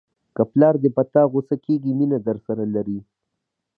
که پلار دې په تا غوسه کېږي مینه درسره لري.